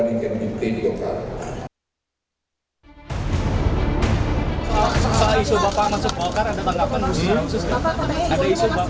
ada isu bapak masuk golkar